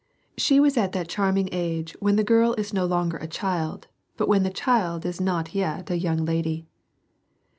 She was at that charming age when the girl is no longer a child, but when the child is not yet a young lady.